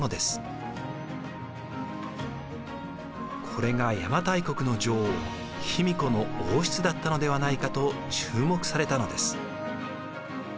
これが邪馬台国の女王卑弥呼の王室だったのではないかと注目されたのです。